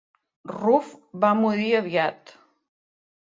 Ruf va morir aviat.